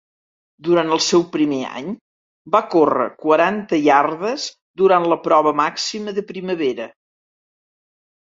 Durant el seu primer any, va córrer quaranta iardes durant la prova màxima de primavera.